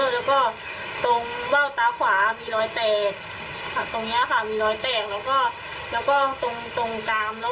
แล้วก็ตรงเบ้าตาขวามีรอยแตกตรงนี้ค่ะมีรอยแตก